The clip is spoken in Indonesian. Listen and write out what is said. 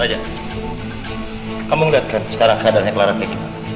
raja kamu ngeliatkan sekarang keadaannya clara kayak gimana